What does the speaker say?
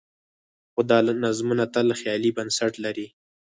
خو دا نظمونه تل خیالي بنسټ لري.